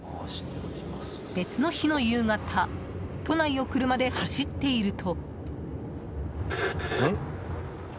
別の日の夕方都内を車で走っていると。